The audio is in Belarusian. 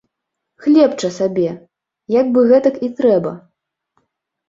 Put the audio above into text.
Хлебча сабе, як бы гэтак і трэба.